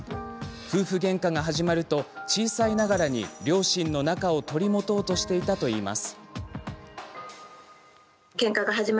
夫婦げんかが始まると小さいながらに両親の仲を取り持とうとしていたといいます。